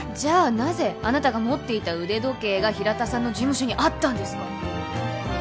なぜあなたが持っていた腕時計が平田さんの事務所にあったんですか？